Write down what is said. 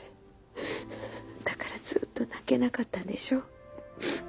だからずっと泣けなかったんでしょう。